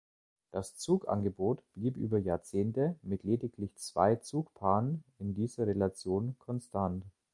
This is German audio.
Das Zugangebot blieb über Jahrzehnte mit lediglich zwei Zugpaaren in dieser Relation konstant.